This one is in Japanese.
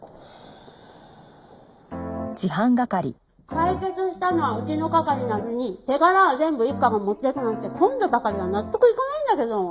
解決したのはうちの係なのに手柄は全部一課が持っていくなんて今度ばかりは納得いかないんだけど。